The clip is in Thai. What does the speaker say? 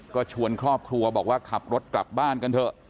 ก็ชวนครอบครัวบอกว่าขับรถกลับบ้านกันเถอะ